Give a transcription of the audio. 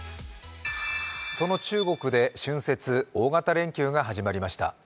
その中国で春節大型連休が始まりました。